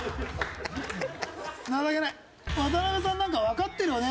渡辺さんなんかわかってるよね？